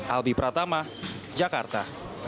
albi pratama jakarta